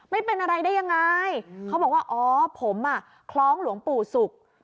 ไม่เป็นอะไรได้ยังไงเขาบอกว่าอ๋อผมอ่ะคล้องหลวงปู่ศุกร์